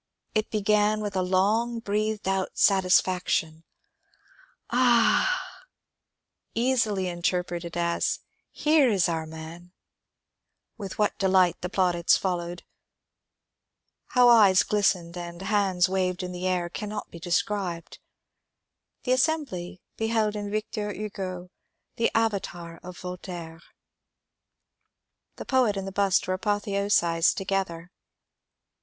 It began with a long breathed out sat isfaction— Ah h hl — easily interpreted as here is our man I " With what delight the plaudits followed, how eyes 278 MONCURE DANIEL CONWAY glistened and hands waved in the air, cannot be described. The assembly beheld in Victor Hugo the avatar of Voltaire. The poet and the bust were apotheosized together.